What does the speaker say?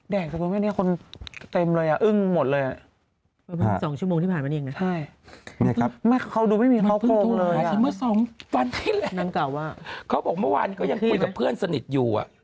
แดกจริงวันนี้คนเต็มเลยอ่ะอึ้งหมดเลย